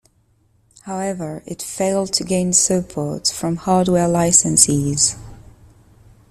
However, it failed to gain support from hardware licensees.